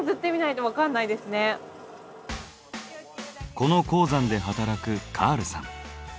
この鉱山で働くカールさん。